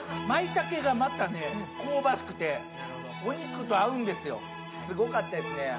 舞茸がまた香ばしくてお肉と合うんですよすごかったですね